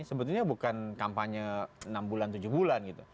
sebetulnya bukan kampanye enam bulan tujuh bulan gitu